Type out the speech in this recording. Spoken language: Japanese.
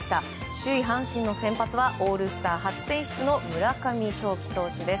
首位、阪神の先発はオールスター初選出の村上頌樹投手です。